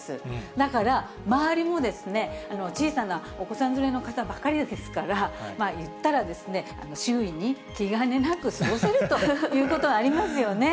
だから、周りも小さなお子さん連れの方ばかりですから、言ったら周囲に気兼ねなく過ごせるということはありますよね。